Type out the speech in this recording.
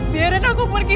biarin aku pergi